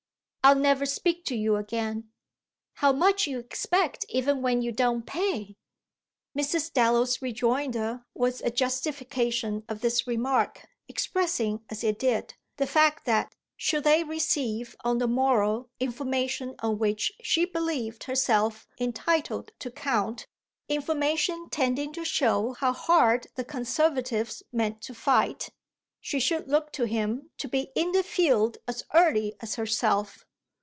"I'll never speak to you again." "How much you expect even when you don't pay!" Mrs. Dallow's rejoinder was a justification of this remark, expressing as it did the fact that should they receive on the morrow information on which she believed herself entitled to count, information tending to show how hard the Conservatives meant to fight, she should look to him to be in the field as early as herself.